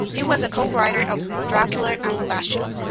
He was a co-writer of "Dracula Unleashed".